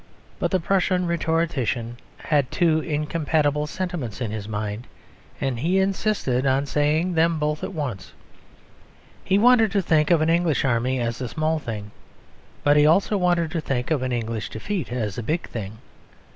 But the Prussian rhetorician had two incompatible sentiments in his mind; and he insisted on saying them both at once. He wanted to think of an English Army as a small thing; but he also wanted to think of an English defeat as a big thing.